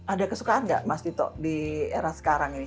ada kesukaan nggak mas tito di era sekarang ini